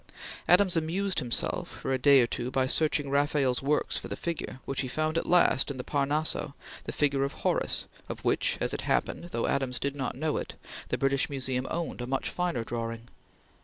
Adams amused himself for a day or two by searching Rafael's works for the figure, which he found at last in the Parnasso, the figure of Horace, of which, as it happened though Adams did not know it the British Museum owned a much finer drawing.